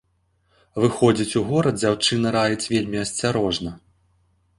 Выходзіць у горад дзяўчына раіць вельмі асцярожна.